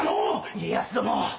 家康殿。